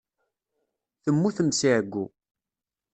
Temmutem seg ɛeyyu.